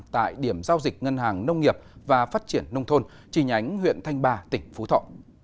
tại điểm giao dịch ngân hàng nông nghiệp và phát triển nông thôn trì nhánh huyện thanh ba tỉnh phú thọ